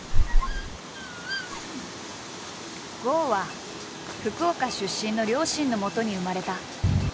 郷は福岡出身の両親のもとに生まれた。